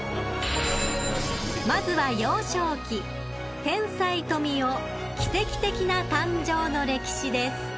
［まずは幼少期天才富美男奇跡的な誕生の歴史です］